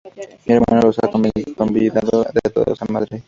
Mi hermano los ha convidado a todos a Madrid.